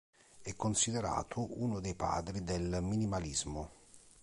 È considerato uno dei padri del minimalismo.